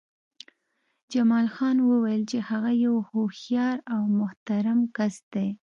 جمال خان وویل چې هغه یو هوښیار او محترم کس دی